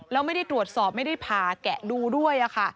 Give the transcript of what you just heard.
แล้วไม่ได้ตรวจสอบไม่ได้ผ่าแกะดูด้วยค่ะ